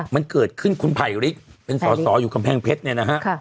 มันเกิดขึ้นคุณภัยอยู่นี่เป็นสอสออยู่กำแพงเพชร